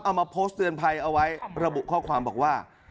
เอามาโพสต์เตือนภัยเอาไว้ระบุข้อความบอกว่า